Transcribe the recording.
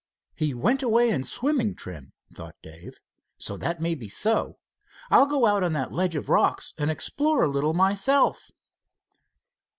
"He went away in swimming trim," thought Dave, "so that may be so. I'll go out on that ledge of rocks and explore a little myself."